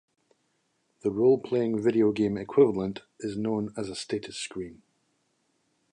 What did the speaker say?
The role-playing video game equivalent is known as a status screen.